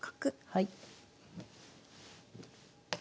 はい。